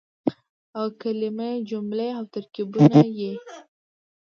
او کلمې ،جملې او ترکيبونه يې